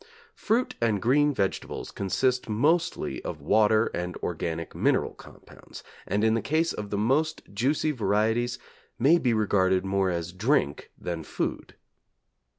Fruit and green vegetables consist mostly of water and organic mineral compounds, and in the case of the most juicy varieties may be regarded more as drink than food.